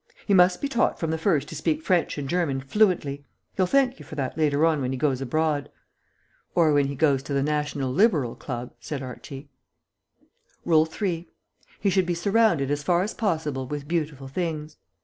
He must be taught from the first to speak French and German fluently.' He'll thank you for that later on when he goes abroad." "Or when he goes to the National Liberal Club," said Archie. "'RULE THREE. He should be surrounded as far as possible with beautiful things.'